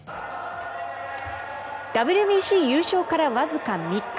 ＷＢＣ優勝からわずか３日。